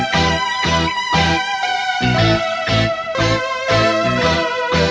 kenapa bu dokter